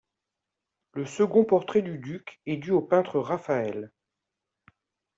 Le second portrait du duc est dû au peintre Raphaël.